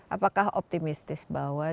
apakah optimistis bahwa jumlah